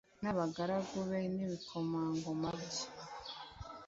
n’abagaragu be n’ibikomangoma bye